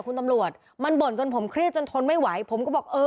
คุณตำรวจมันบ่นจนผมเครียดจนทนไม่ไหวผมก็บอกเออ